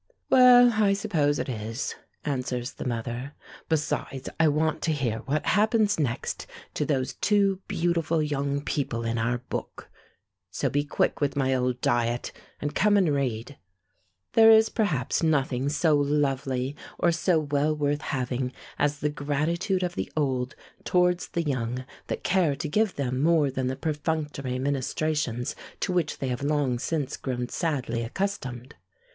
"Well, I suppose it is," answers the mother. "Besides, I want to hear what happens next to those two beautiful young people in our book. So be quick with my old diet, and come and read ..." There is perhaps nothing so lovely or so well worth having as the gratitude of the old towards the young that care to give them more than the perfunctory ministrations to which they have long since grown sadly accustomed.